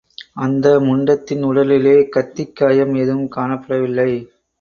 அந்த முண்டத்தின் உடலிலே கத்திக்காயம் எதுவும் காணப்படவில்லை.